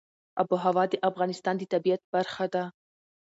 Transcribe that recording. آب وهوا د افغانستان د طبیعت برخه ده.